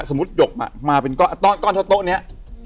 สมมุติหยกมาเป็นก้อนเท่าโต๊ะเนี่ย